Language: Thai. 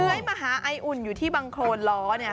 มาหาไออุ่นอยู่ที่บังโครนล้อ